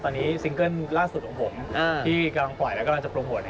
ตอนนี้ซิงเกิ้ลล่าสุดของผมที่กำลังปล่อยและกำลังจะโปรโมท